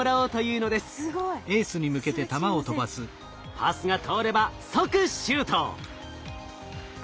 パスが通れば即シュート！